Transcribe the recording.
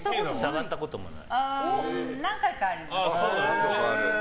何回かあります。